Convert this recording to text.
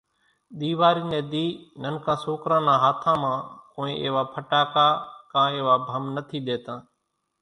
ۮيواري ني ۮي ننڪان سوڪران نا ھاٿ مان ڪونئين ايوا ڦٽاڪا ڪان ايوا ڀم نٿي ۮيتان۔